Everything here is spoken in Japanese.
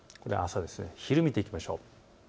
昼を見ていきましょう。